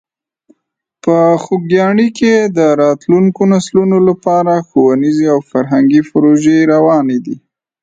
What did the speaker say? په خوږیاڼي کې د راتلونکو نسلونو لپاره ښوونیزې او فرهنګي پروژې روانې دي.